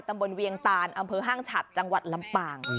เวียงตานอำเภอห้างฉัดจังหวัดลำปาง